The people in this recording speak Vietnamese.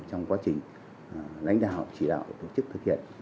trong quá trình lãnh đạo chỉ đạo tổ chức thực hiện